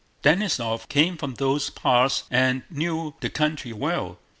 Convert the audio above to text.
Denísov came from those parts and knew the country well.